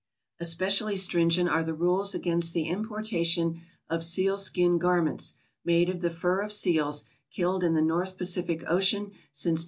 Especially stringent are the rules against the importa tion of seal skin garments made of the fur of /seals killed in the North Padific ocean since Dec.